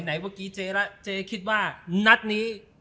ไหนเว้อกี้เจ๊ละเจ๊คิดว่านักนี้